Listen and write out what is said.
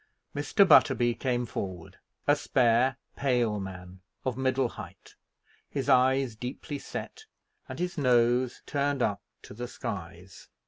Mr. Butterby came forward, a spare, pale man, of middle height, his eyes deeply set, and his nose turned up to the skies.